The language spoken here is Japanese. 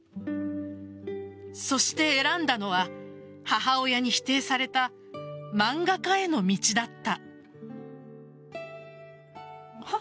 そして選んだのは母親に否定された漫画家への道だった。